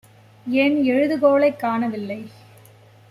என் எழுதுகோலைக் காணவில்லை.